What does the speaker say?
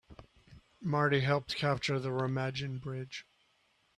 Marty helped capture the Remagen Bridge.